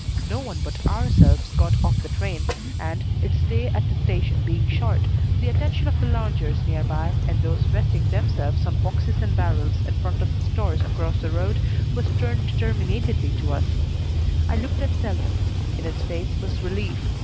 No one but ourselves got off the train, and, its stay at the station being short, the attention of the loungers near by and those resting themselves on boxes and barrels in front of the stores across the road was turned determinatedly to us. I looked at Selwyn. In his face was relief.